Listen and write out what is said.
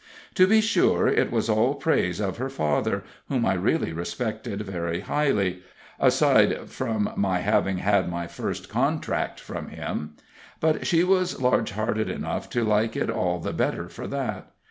To be sure, it was all praise of her father, whom I really respected very highly (aside from my having had my first contract from him), but she was large hearted enough to like it all the better for that.